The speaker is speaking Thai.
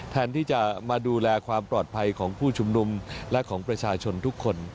แทนที่จะมาดูแลความปลอดภัยของผู้ชุมนุมและของประชาชนทุกคน